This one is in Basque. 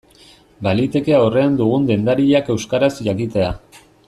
Baliteke aurrean dugun dendariak euskaraz jakitea.